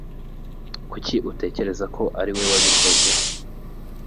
Kuki utekereza ko ari we wabikoze?